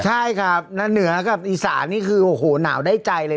ใช่ครับแล้วเหนือกับอีสานนี่คือโอ้โหหนาวได้ใจเลย